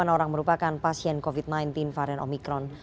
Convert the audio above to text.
dua puluh delapan orang merupakan pasien covid sembilan belas varian omicron